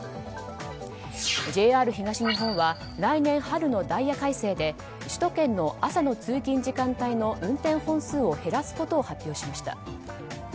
ＪＲ東日本は来年春のダイヤ改正で首都圏の朝の通勤時間帯の運転本数を減らすことを発表しました。